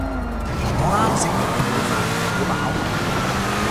我啱啱食完老母飯，好飽